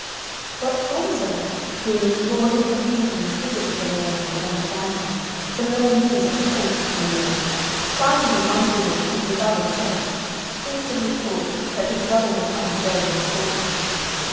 But Fonzo, who, morning and evening visited the myrtle and the fountain, to learn news of the fate of Canneloro, finding the one withered and the other troubled, instantly thought that his brother was undergoing misfortunes.